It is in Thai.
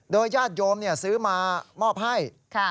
ญาติโยมซื้อมามอบให้